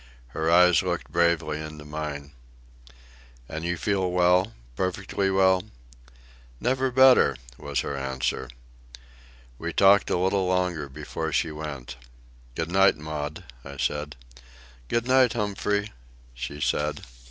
Her eyes looked bravely into mine. "And you feel well? perfectly well?" "Never better," was her answer. We talked a little longer before she went. "Good night, Maud," I said. "Good night, Humphrey," she said.